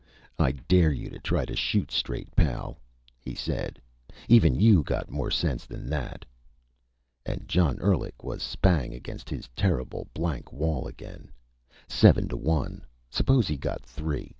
"I dare you to try to shoot straight, pal," he said. "Even you got more sense than that." And John Endlich was spang against his terrible, blank wall again. Seven to one. Suppose he got three.